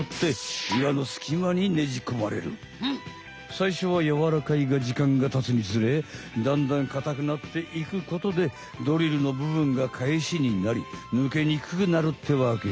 さいしょはやわらかいがじかんがたつにつれだんだんかたくなっていくことでドリルのぶぶんがかえしになりぬけにくくなるってわけ。